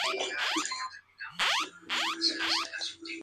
De hecho, sólo el apellido es seguro.